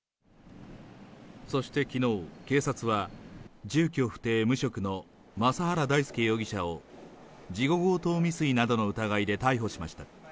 そしてきのう、警察は、住居不定無職の昌原大輔容疑者を、事後強盗未遂などの疑いで逮捕しました。